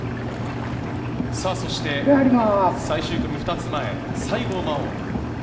そして最終組２つ前、西郷真央。